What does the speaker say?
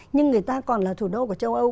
nhưng người ta còn là thủ đô của châu âu